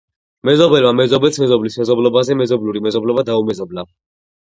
მეზობელმა მეზობელს მეზობლის მეზობლობაზე მეზობლური მეზობლობა დაუმეზობლა